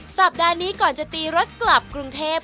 สัปดาห์นี้ก่อนจะตีรถกลับกรุงเทพ